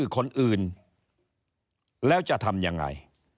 ก็จะทำยังไง